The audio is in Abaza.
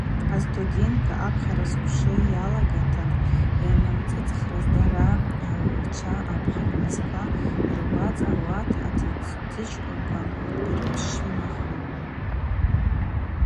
Астудентква апхьара сквшы йалгата йанамцӏыцӏхрыз дара агӏвгӏвчва апхын мызква руацӏа ауат атдзычкӏвынква йырпшвымахун.